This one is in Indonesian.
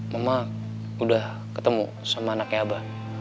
mama udah ketemu sama anaknya abah